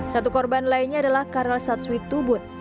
satu korban lainnya adalah karel satsuit tubut